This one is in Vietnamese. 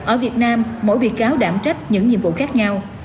ở việt nam mỗi bị cáo đảm trách những nhiệm vụ khác nhau